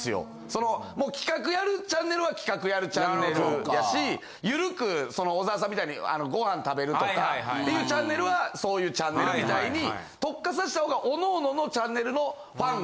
その企画やるチャンネルは企画やるチャンネルやしゆるくその小沢さんみたいにご飯食べるとかいうチャンネルはそういうチャンネルみたいに特化さしたほうが。